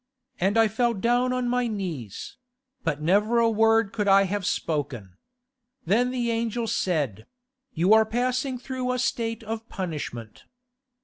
And I fell down on my knees; but never a word could I have spoken. Then the angel said: "You are passing through a state of punishment.